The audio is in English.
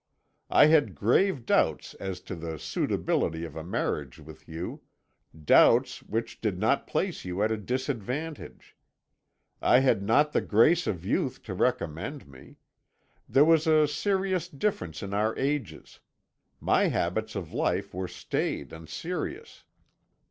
I had grave doubts as to the suitability of a marriage with you, doubts which did not place you at a disadvantage. I had not the grace of youth to recommend me; there was a serious difference in our ages; my habits of life were staid and serious.